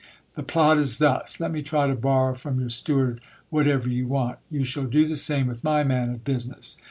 The plot is thus : let me try to borrow from your steward whatever you want. You shall do the same with my man of business.